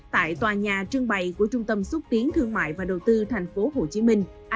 tại tòa nhà trưng bày của trung tâm xúc tiến thương mại và đầu tư tp hcm